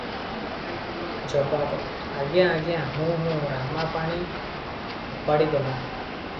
ଜବାବ - ଆଜ୍ଞା ଆଜ୍ଞା, ହୁଁ ହୁଁ, ରାମା ପାଣି ଫୋପାଡି ଦେଲା ।